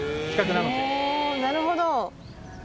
なるほど。